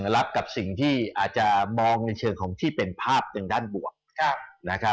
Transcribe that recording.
รับกับสิ่งที่อาจจะมองในเชิงของที่เป็นภาพทางด้านบวก